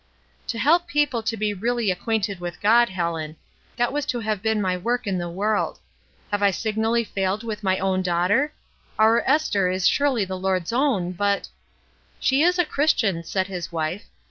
''To help people to be 'really acquainted with God,' Helen. That was to have been my work in the world. Have I signally failed with my own daughter? Our Esther is surely the Lord's own, but^^" "She is a Christian/' said his wife.